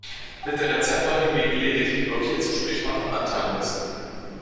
Wird der Rezeptor hingegen lediglich blockiert, so spricht man von Antagonisten.